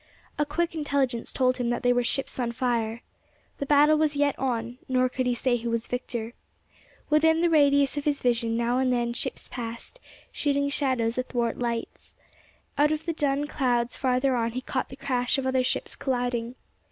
A quick intelligence told him that they were ships on fire. The battle was yet on; nor could he say who was victor. Within the radius of his vision now and then ships passed, shooting shadows athwart lights. Out of the dun clouds farther on he caught the crash of other ships colliding.